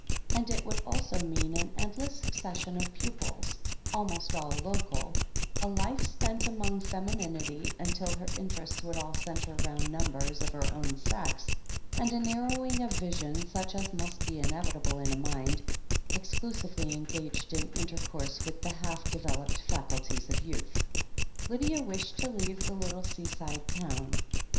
And it would also mean an endless succession of pupils, almost all local, a life spent among feminin ity until her interests would all centre round numbers of her own sex, and a narrowing of vision such as must be inevitable in a mind exclusively engaged in intercourse with the half developed faculties of youth. Lydia wished to leave the little seaside town.